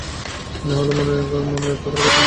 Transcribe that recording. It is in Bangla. না, হলে মনে থাকার কথা।